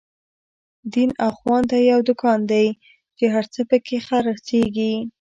دين اخوان ته يو دکان دی، چی هر څه په کی خر څيږی